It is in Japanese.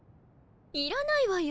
いらないわよ